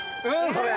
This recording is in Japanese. それ。